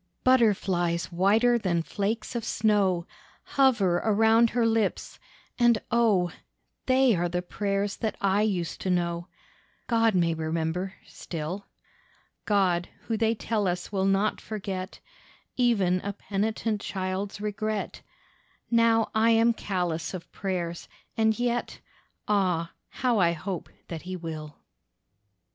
Butterflies whiter than flakes of snow Hover around her lips, and oh! They are the prayers that I used to know, God may remember still. God who they tell us will not forget Even a penitent child's regret! Now I am callous of prayers, and yet— Ah, how I hope that He will.